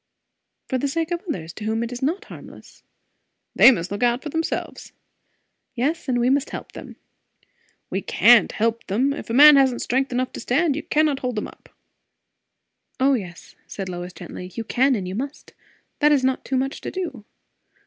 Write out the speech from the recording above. "For the sake of others, to whom it is not harmless." "They must look out for themselves." "Yes, and we must help them." "We can't help them. If a man hasn't strength enough to stand, you cannot hold him up." "O yes," said Lois gently, "you can and you must. That is not much to do!